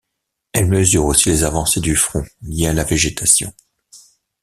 Elle mesure aussi les avancées du front liée à la végétation.